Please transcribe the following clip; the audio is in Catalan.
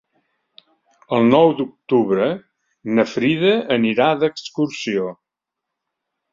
El nou d'octubre na Frida anirà d'excursió.